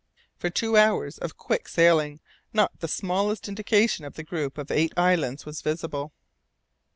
For two hours of very quick sailing not the smallest indication of the group of eight islands was visible.